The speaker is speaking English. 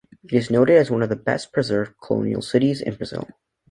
It is noted as one of the best-preserved colonial cities in Brazil.